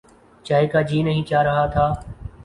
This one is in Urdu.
چائے کا جی نہیں چاہ رہا تھا۔